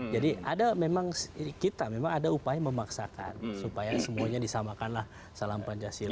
jadi ada memang kita memang ada upaya memaksakan supaya semuanya disamakanlah salam pancasila